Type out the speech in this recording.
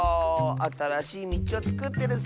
あたらしいみちをつくってるッス。